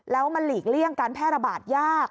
แล้วมันหลีกเลี่ยงการแพร่ระบาดยาก